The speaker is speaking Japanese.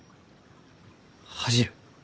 恥じる？